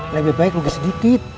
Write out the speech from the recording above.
lebih baik rugi sedikit